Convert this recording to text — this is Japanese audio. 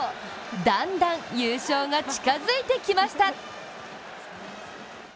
だんだん優勝が近づいてきました。